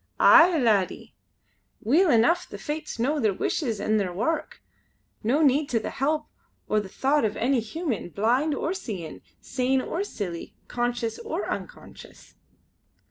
"Aye! laddie. Weel eneuch the Fates know their wishes an' their wark, no to need the help or the thocht of any human blind or seein', sane or silly, conscious or unconscious."